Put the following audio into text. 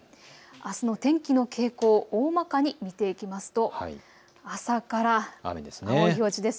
あすの天気の傾向をおおまかに見てみますと朝から青い表示です。